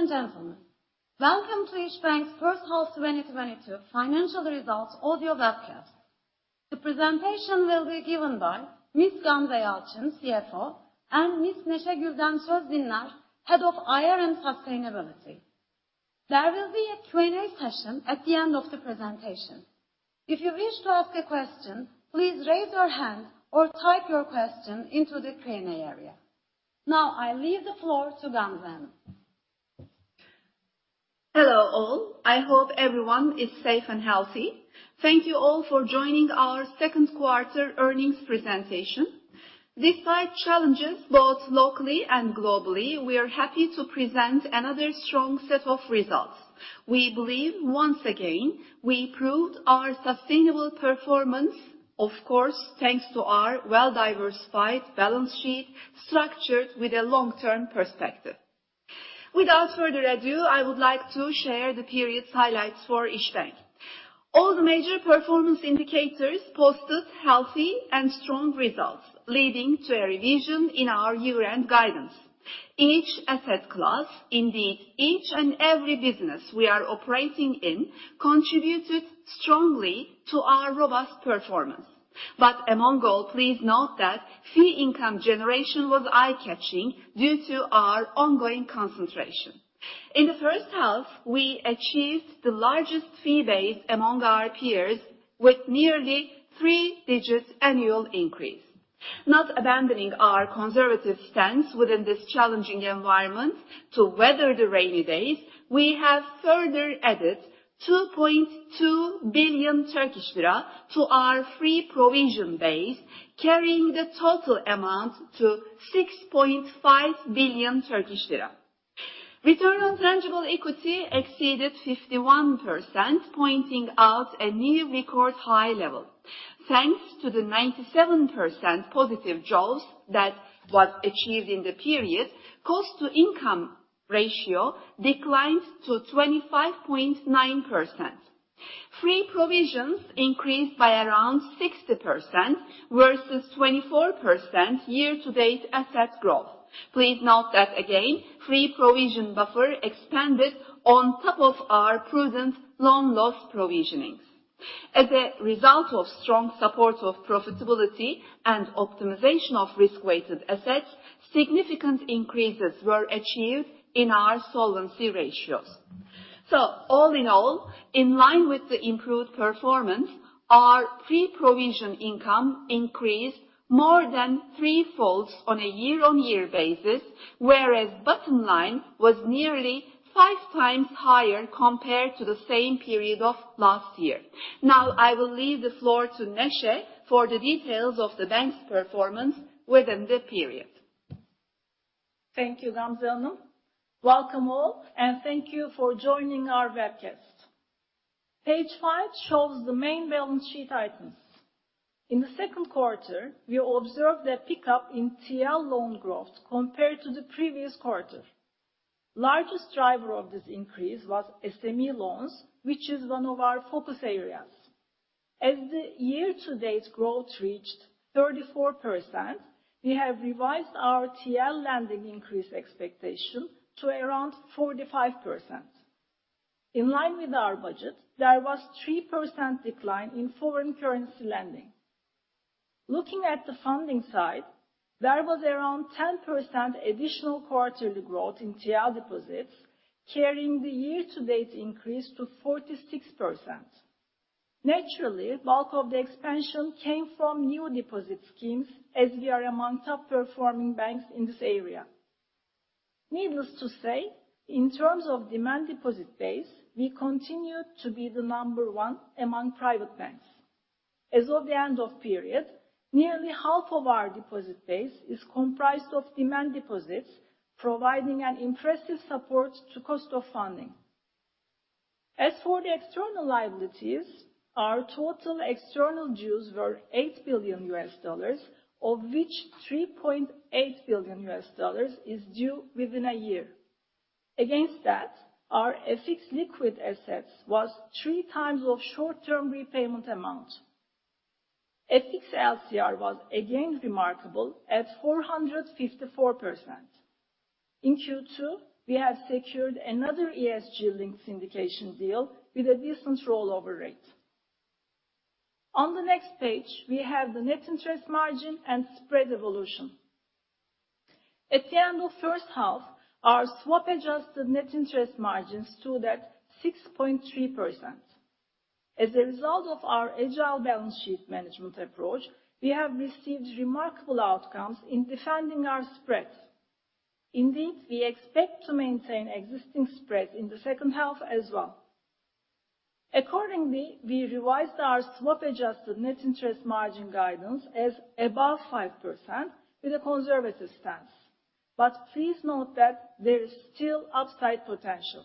Ladies and gentlemen, welcome to Türkiye İş Bankası A.Ş.'s first half 2022 financial results audio webcast. The presentation will be given by Ms. Gamze Yalçın, CFO, and Ms. Neşe Gülden Sözdinler, Head of IR and Sustainability. There will be a Q&A session at the end of the presentation. If you wish to ask a question, please raise your hand or type your question into the Q&A area. Now I leave the floor to Gamze. Hello, all. I hope everyone is safe and healthy. Thank you all for joining our second quarter earnings presentation. Despite challenges both locally and globally, we are happy to present another strong set of results. We believe, once again, we proved our sustainable performance, of course, thanks to our well-diversified balance sheet structured with a long-term perspective. Without further ado, I would like to share the period's highlights for Türkiye İş Bankası A.Ş. All the major performance indicators posted healthy and strong results, leading to a revision in our year-end guidance. Each asset class, indeed each and every business we are operating in, contributed strongly to our robust performance. Among all, please note that fee income generation was eye-catching due to our ongoing concentration. In the first half, we achieved the largest fee base among our peers with nearly three digits annual increase. Not abandoning our conservative stance within this challenging environment to weather the rainy days, we have further added 2.2 billion Turkish lira to our free provision base, carrying the total amount to 6.5 billion Turkish lira. Return on tangible equity exceeded 51%, pointing out a new record high level. Thanks to the 97% positive jaws that was achieved in the period, cost-to-income ratio declined to 25.9%. Free provisions increased by around 60% versus 24% year-to-date asset growth. Please note that, again, free provision buffer expanded on top of our prudent loan loss provisionings. As a result of strong support of profitability and optimization of risk-weighted assets, significant increases were achieved in our solvency ratios. All in all, in line with the improved performance, our free provision income increased more than three-folds on a year-on-year basis, whereas bottom line was nearly five times higher compared to the same period of last year. Now I will leave the floor to Neşe for the details of the bank's performance within the period. Thank you, Gamze Hanım. Welcome all, and thank you for joining our webcast. Page 5 shows the main balance sheet items. In the second quarter, we observed a pickup in TL loan growth compared to the previous quarter. Largest driver of this increase was SME loans, which is one of our focus areas. As the year-to-date growth reached 34%, we have revised our TL lending increase expectation to around 45%. In line with our budget, there was 3% decline in foreign currency lending. Looking at the funding side, there was around 10% additional quarterly growth in TL deposits, carrying the year-to-date increase to 46%. Naturally, bulk of the expansion came from new deposit schemes, as we are among top-performing banks in this area. Needless to say, in terms of demand deposit base, we continue to be the number one among private banks. As of the end of period, nearly half of our deposit base is comprised of demand deposits, providing an impressive support to cost of funding. As for the external liabilities, our total external dues were $8 billion, of which $3.8 billion is due within a year. Against that, our FX liquid assets was 3 times of short-term repayment amount. FX LCR was again remarkable at 454%. In Q2, we have secured another ESG-linked syndication deal with a decent rollover rate. On the next page, we have the net interest margin and spread evolution. At the end of first half, our swap-adjusted net interest margins stood at 6.3%. As a result of our agile balance sheet management approach, we have received remarkable outcomes in defending our spreads. Indeed, we expect to maintain existing spreads in the second half as well. Accordingly, we revised our swap-adjusted net interest margin guidance as above 5% with a conservative stance. Please note that there is still upside potential.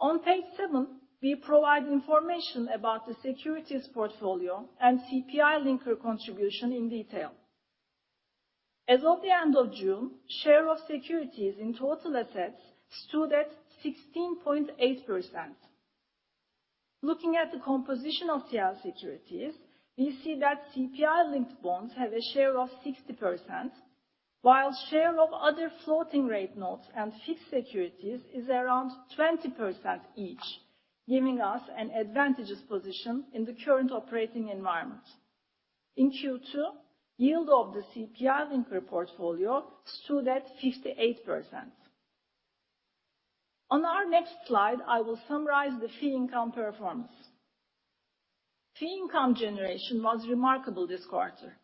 On page 7, we provide information about the securities portfolio and CPI linker contribution in detail. As of the end of June, share of securities in total assets stood at 16.8%. Looking at the composition of TL securities, we see that CPI-linked bonds have a share of 60%, while share of other floating rate notes and fixed securities is around 20% each, giving us an advantageous position in the current operating environment. In Q2, yield of the CPI linker portfolio stood at 58%. On our next slide, I will summarize the fee income performance. Fee income generation was remarkable this quarter.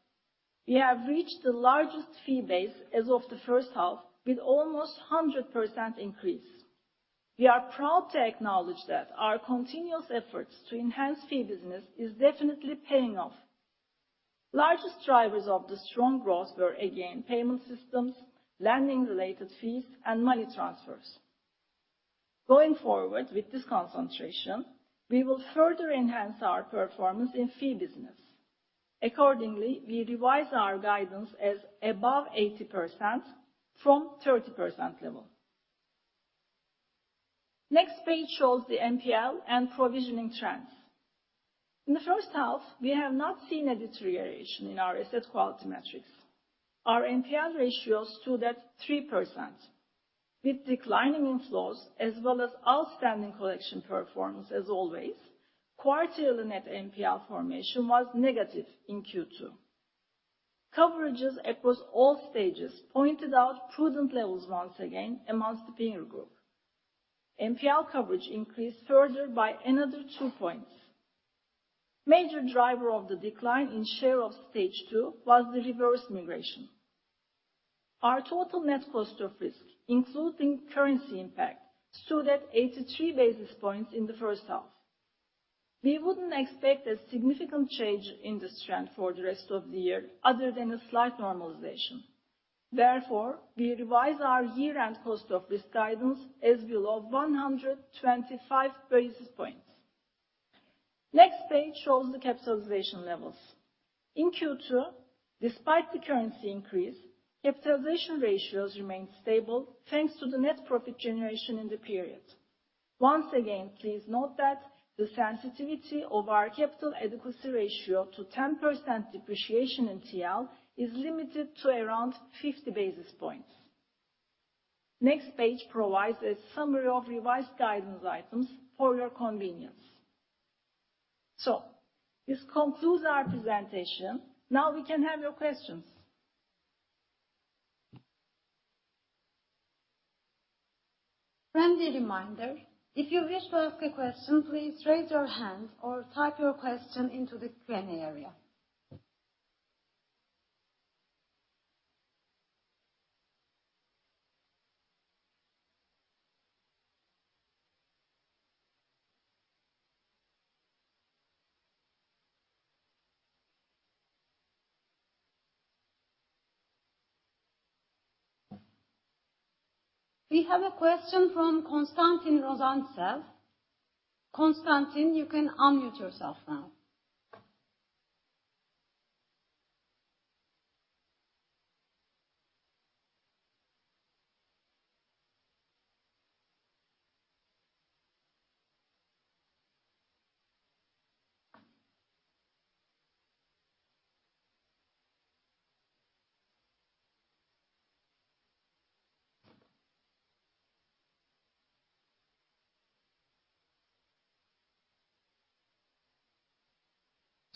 We have reached the largest fee base as of the first half with almost 100% increase. We are proud to acknowledge that our continuous efforts to enhance fee business is definitely paying off. Largest drivers of the strong growth were again payment systems, lending related fees and money transfers. Going forward with this concentration, we will further enhance our performance in fee business. Accordingly, we revise our guidance as above 80% from 30% level. Next page shows the NPL and provisioning trends. In the first half, we have not seen a deterioration in our asset quality metrics. Our NPL ratio stood at 3%. With declining inflows as well as outstanding collection performance as always, quarterly net NPL formation was negative in Q2. Coverages across all stages pointed out prudent levels once again among the peer group. NPL coverage increased further by another 2 points. Major driver of the decline in share of Stage 2 was the reverse migration. Our total net cost of risk, including currency impact, stood at 83 basis points in the first half. We wouldn't expect a significant change in this trend for the rest of the year other than a slight normalization. Therefore, we revise our year-end cost of risk guidance as below 125 basis points. Next page shows the capitalization levels. In Q2, despite the currency increase, capitalization ratios remained stable thanks to the net profit generation in the period. Once again, please note that the sensitivity of our capital adequacy ratio to 10% depreciation in TL is limited to around 50 basis points. Next page provides a summary of revised guidance items for your convenience. This concludes our presentation. Now we can have your questions. Friendly reminder, if you wish to ask a question, please raise your hand or type your question into the Q&A area. We have a question from Constantine Rozantsev. Constantine, you can unmute yourself now.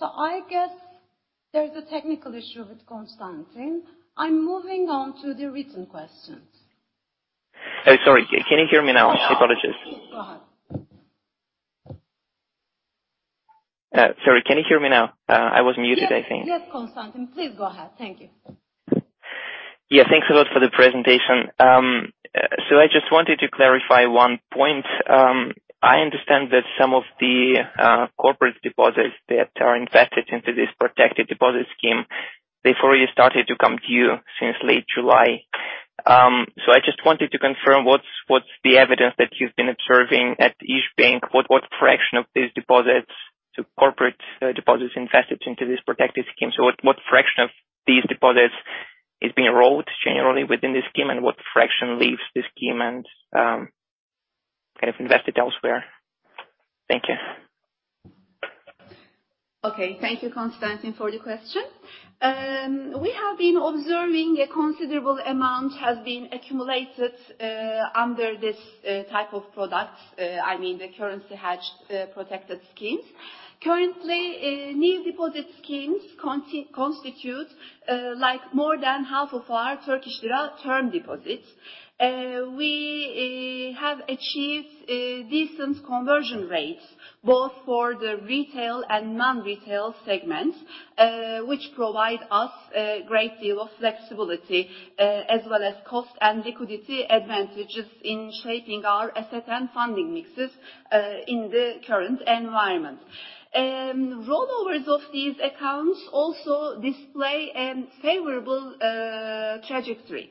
I guess there's a technical issue with Constantine. I'm moving on to the written questions. Oh, sorry. Can you hear me now? Apologies. Yes. Go ahead. Sorry. Can you hear me now? I was muted, I think. Yes, yes, Constantine, please go ahead. Thank you. Yeah, thanks a lot for the presentation. I just wanted to clarify one point. I understand that some of the corporate deposits that are invested into this protected deposit scheme, they've already started to come to you since late July. I just wanted to confirm what's the evidence that you've been observing at İşbank? What fraction of these corporate deposits invested into this protected scheme? What fraction of these deposits is being rolled generally within this scheme, and what fraction leaves this scheme and kind of invested elsewhere? Thank you. Okay. Thank you, Constantine, for the question. We have been observing a considerable amount has been accumulated under this type of product, I mean, the currency-hedged protected schemes. Currently, new deposit schemes constitute like more than half of our Turkish lira term deposits. We have achieved decent conversion rates both for the retail and non-retail segments, which provide us a great deal of flexibility, as well as cost and liquidity advantages in shaping our asset and funding mixes, in the current environment. Rollovers of these accounts also display a favorable trajectory.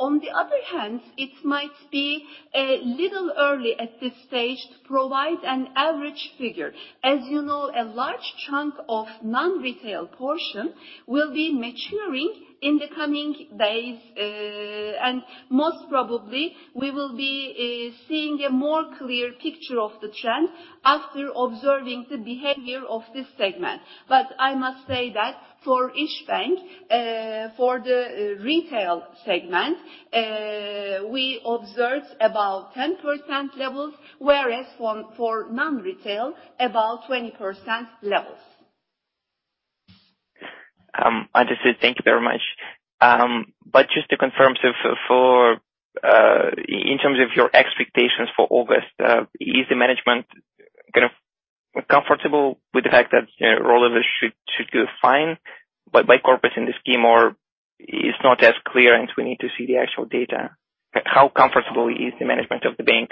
On the other hand, it might be a little early at this stage to provide an average figure. As you know, a large chunk of non-retail portion will be maturing in the coming days. And most probably we will be seeing a more clear picture of the trend after observing the behavior of this segment. I must say that for İş Bank, for the retail segment, we observed about 10% levels, whereas for non-retail, about 20% levels. Understood. Thank you very much. Just to confirm. In terms of your expectations for August, is the management kind of comfortable with the fact that rollovers should do fine by corporates in the scheme, or it's not as clear, and we need to see the actual data? How comfortable is the management of the bank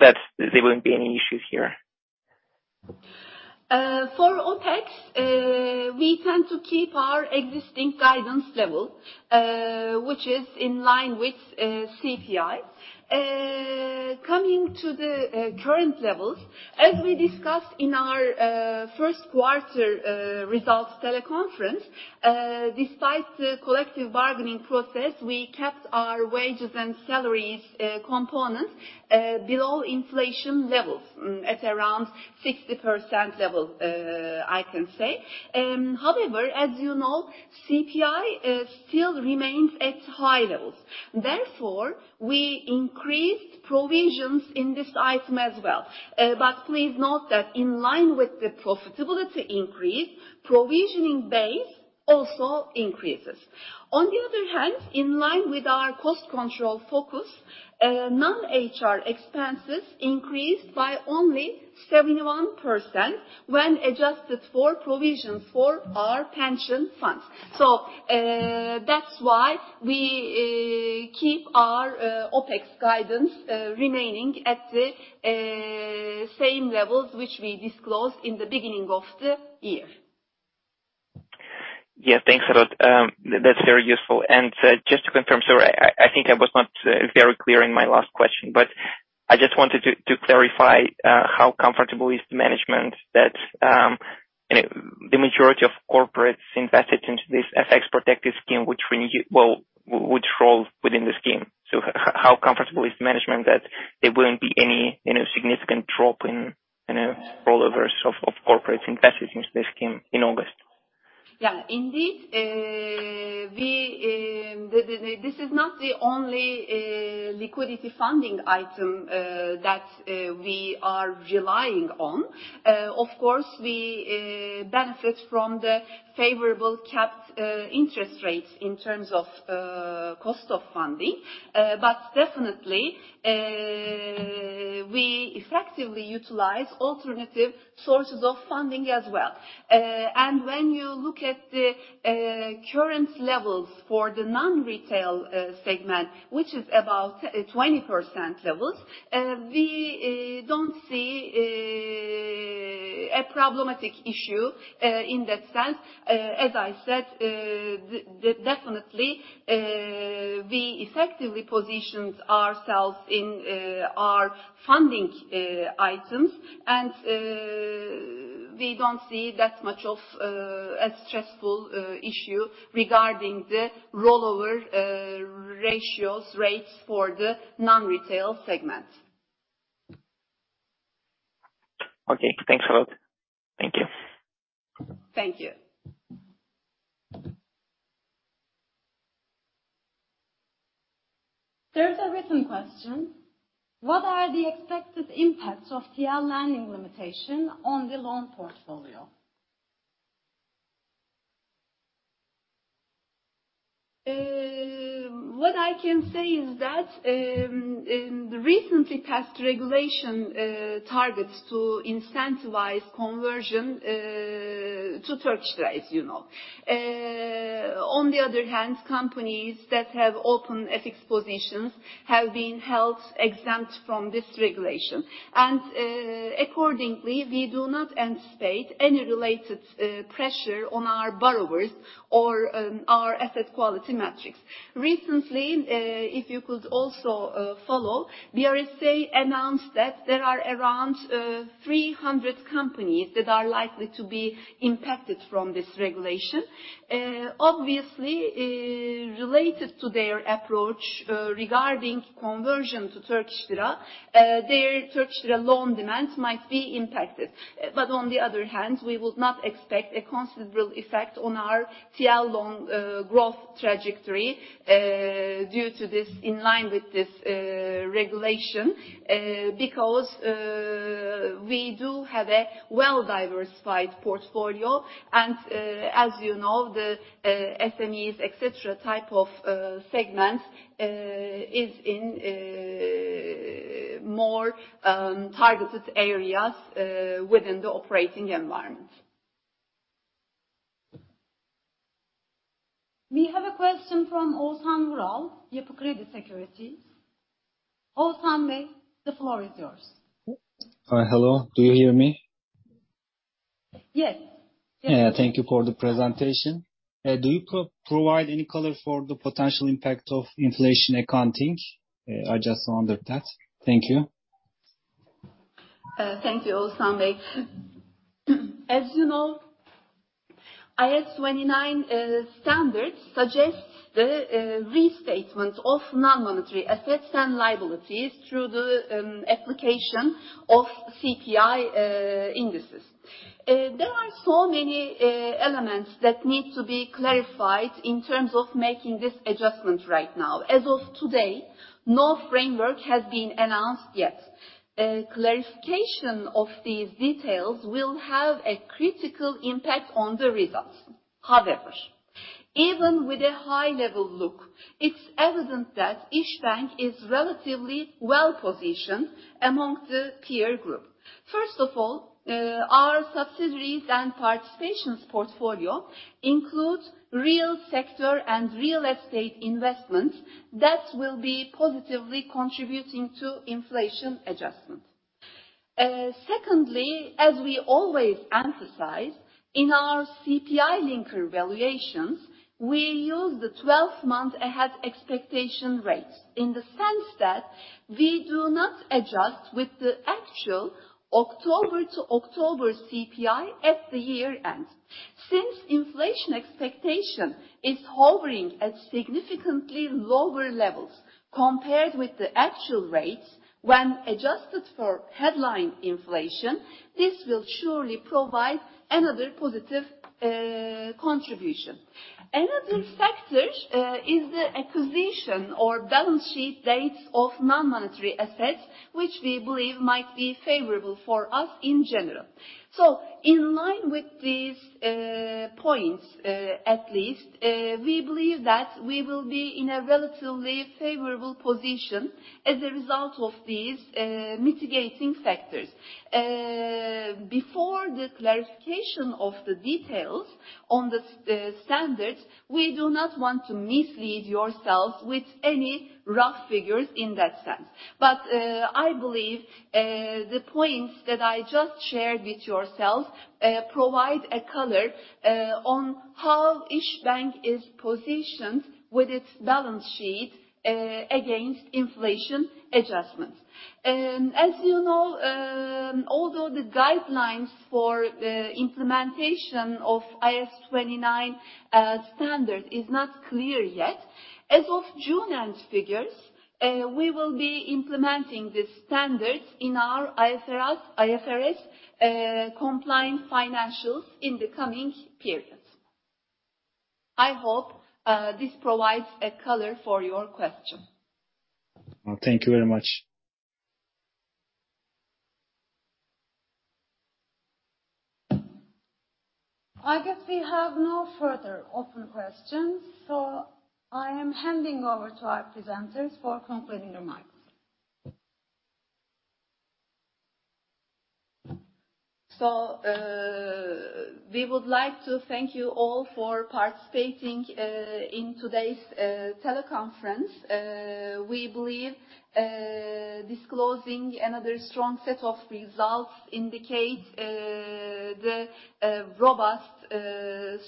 that there wouldn't be any issues here? For OpEx, we tend to keep our existing guidance level, which is in line with CPI. Coming to the current levels, as we discussed in our first quarter results teleconference, despite the collective bargaining process, we kept our wages and salaries components below inflation levels at around 60% level, I can say. However, as you know, CPI still remains at high levels. Therefore, we increased provisions in this item as well. Please note that in line with the profitability increase, provisioning base also increases. On the other hand, in line with our cost control focus, non-HR expenses increased by only 71% when adjusted for provisions for our pension funds. That's why we keep our OpEx guidance remaining at the same levels which we disclosed in the beginning of the year. Yeah, thanks a lot. That's very useful. Just to confirm, sorry, I think I was not very clear in my last question, but I just wanted to clarify how comfortable is the management that the majority of corporates invested into this FX-Protected Deposit Scheme, which rolls within the scheme. How comfortable is the management that there wouldn't be any, you know, significant drop in, you know, rollovers of corporate investors into the scheme in August? Yeah. Indeed, this is not the only liquidity funding item that we are relying on. Of course, we benefit from the favorable capped interest rates in terms of cost of funding. Definitely, we effectively utilize alternative sources of funding as well. When you look at the current levels for the non-retail segment, which is about 20% levels, we don't see a problematic issue in that sense. As I said, definitely, we effectively positioned ourselves in our funding items. We don't see that much of a stressful issue regarding the rollover ratios rates for the non-retail segment. Okay. Thanks a lot. Thank you. Thank you. There's a written question: What are the expected impacts of TL lending limitation on the loan portfolio? What I can say is that, in the recently passed regulation, targets to incentivize conversion to Turkish lira, as you know. On the other hand, companies that have open FX positions have been held exempt from this regulation. Accordingly, we do not anticipate any related pressure on our borrowers or our asset quality metrics. Recently, BRSA announced that there are around 300 companies that are likely to be impacted from this regulation. Obviously, related to their approach regarding conversion to Turkish lira, their Turkish lira loan demand might be impacted. On the other hand, we would not expect a considerable effect on our TL loan growth trajectory due to this, in line with this regulation, because we do have a well-diversified portfolio. As you know, the SMEs, et cetera, type of segment is in more targeted areas within the operating environment. We have a question from Ozan Rull, Yapı Kredi Securities. Ozan Bey, the floor is yours. Hi. Hello. Do you hear me? Yes. Yes. Yeah, thank you for the presentation. Do you provide any color for the potential impact of inflation accounting? I just wondered that. Thank you. Thank you, Ozan Bey. As you know, IAS 29 standard suggests the restatement of non-monetary assets and liabilities through the application of CPI indices. There are so many elements that need to be clarified in terms of making this adjustment right now. As of today, no framework has been announced yet. Clarification of these details will have a critical impact on the results. However, even with a high-level look, it's evident that İşbank is relatively well-positioned among the peer group. First of all, our subsidiaries and participations portfolio includes real sector and real estate investments that will be positively contributing to inflation adjustments. Secondly, as we always emphasize, in our CPI linker valuations, we use the 12-month ahead expectation rates, in the sense that we do not adjust with the actual October to October CPI at the year-end. Since inflation expectation is hovering at significantly lower levels compared with the actual rates when adjusted for headline inflation, this will surely provide another positive contribution. Another factor is the acquisition or balance sheet dates of non-monetary assets, which we believe might be favorable for us in general. In line with these points, at least, we believe that we will be in a relatively favorable position as a result of these mitigating factors. Before the clarification of the details on the standards, we do not want to mislead yourselves with any rough figures in that sense. I believe the points that I just shared with yourselves provide a color on how İşbank is positioned with its balance sheet against inflation adjustments. As you know, although the guidelines for implementation of IAS 29 standard is not clear yet, as of June-end figures, we will be implementing the standards in our IFRS compliant financials in the coming periods. I hope this provides a color for your question. Well, thank you very much. I guess we have no further open questions, so I am handing over to our presenters for concluding remarks. We would like to thank you all for participating in today's teleconference. We believe disclosing another strong set of results indicate the robust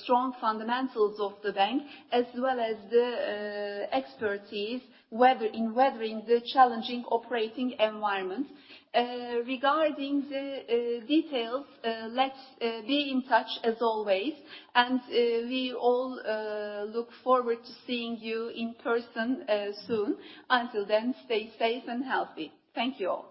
strong fundamentals of the bank as well as the expertise in weathering the challenging operating environment. Regarding the details, let's be in touch as always. We all look forward to seeing you in person soon. Until then, stay safe and healthy. Thank you all.